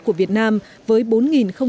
của việt nam với bốn sáu mươi bảy tấn